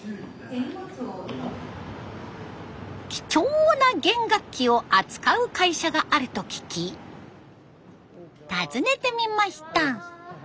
貴重な弦楽器を扱う会社があると聞き訪ねてみました。